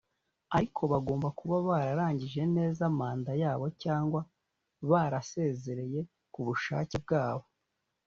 ariko bagomba kuba bararangije neza manda yabo cyangwa barasezeye ku bushake bwabo